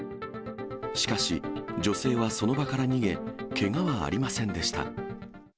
しかし、女性はその場から逃げ、けがはありませんでした。